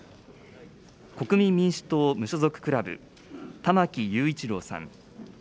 国民民主党・無所属クラブ、玉木雄一郎さん。